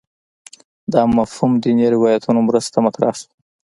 دا مفهوم دیني روایتونو مرسته مطرح شو